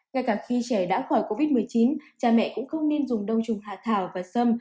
ngay cả khi trẻ đã khỏi covid một mươi chín cha mẹ cũng không nên dùng đông trùng hạ thảo và sâm